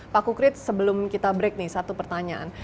pak kukrit sebelum kita break nih satu pertanyaan